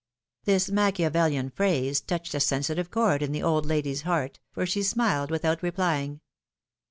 ^^ This Machiavelian phrase touched a sensitive chord in the old lady's heart, for she smiled without replying.